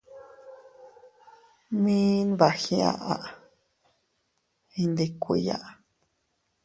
Mi nbagiaʼa iyndikuiya.